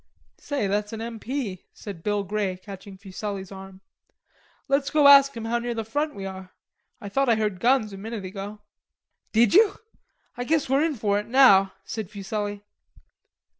"Say, that's an M. P.," said Bill Grey, catching Fuselli's arm. "Let's go ask him how near the front we are. I thought I heard guns a minute ago." "Did you? I guess we're in for it now," said Fuselli.